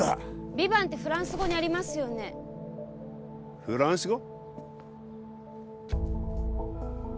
ヴィヴァンってフランス語にありますよねフランス語？